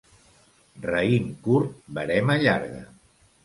Raïm curt, verema llarga.